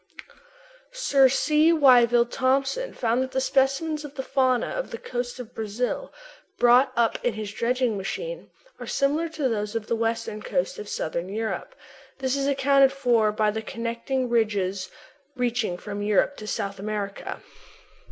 Sir C. Wyville Thomson found that the specimens of the fauna of the coast of Brazil, brought up in his dredging machine, are similar to those of the western coast of Southern Europe. This is accounted for by the connecting ridges reaching from Europe to South America.